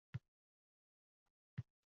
Darvoza ostidan katta oq it yugurib chiqdi